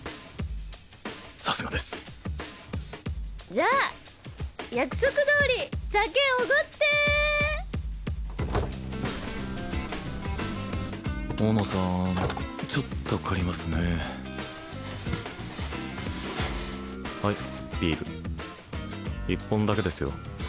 さすがですじゃあ約束どおり酒おごって大野さんちょっと借りますねはいビール１本だけですよ